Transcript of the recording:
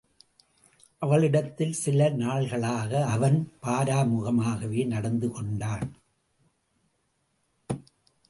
அவளிடத் தில் சில நாள்களாக அவன் பாராமுகமாகவே நடந்து கொண்டான்.